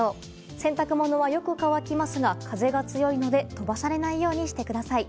洗濯物はよく乾きますが風が強いので飛ばされないようにしてください。